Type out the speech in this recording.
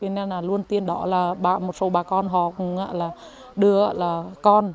nên là luôn tiên đó là một số bà con họ cũng đưa là con